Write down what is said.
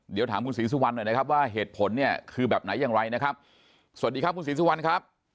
เดี๋ยวถามคุณศรีสุวรรณหน่อยนะครับว่าเหตุผลเนี่ยคือแบบไหนอย่างไรนะครับสวัสดีครับคุณศรีสุวรรณครับ